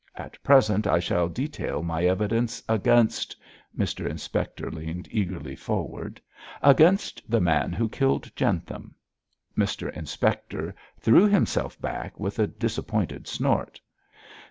At present I shall detail my evidence against' Mr Inspector leaned eagerly forward 'against the man who killed Jentham.' Mr Inspector threw himself back with a disappointed snort.